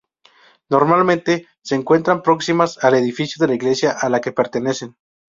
Normalmente se encuentran próximas al edificio de la iglesia a la que pertenecen.